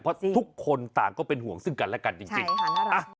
เพราะทุกคนต่างก็เป็นห่วงซึ่งกันและกันจริงใช่ค่ะน่ารักมาก